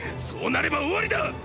そうなれば終わりだ！！